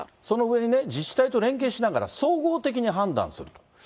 その上で、自治体と連携しながら総合的に判断すると。